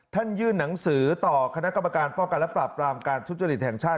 ยื่นหนังสือต่อคณะกรรมการป้องกันและปราบปรามการทุจริตแห่งชาติ